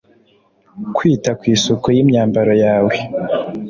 Kwita ku isuku y’imyambaro yawe